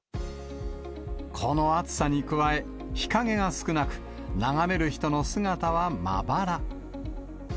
この暑さに加え、日陰が少なく、眺める人の姿はまばら。